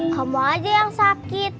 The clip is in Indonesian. kamu aja yang sakit